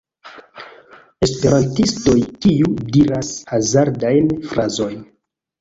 Esperantistoj kiu diras hazardajn frazojn